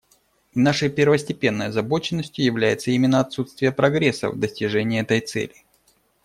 И нашей первостепенной озабоченностью является именно отсутствие прогресса в достижении этой цели.